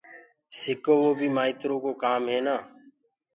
سڪووو بي مآئيترو ڪآم هي نآ